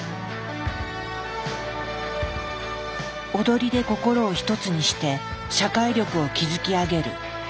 踊りで心を一つにして社会力を築き上げる。